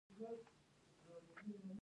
تاریخ د افغان ماشومانو د زده کړې موضوع ده.